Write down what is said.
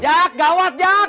tidak gitu l ginger ya heck